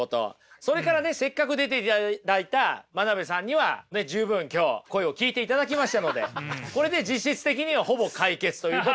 それからねせっかく出ていただいた真鍋さんには十分今日声を聞いていただきましたのでこれで実質的にはほぼ解決ということで。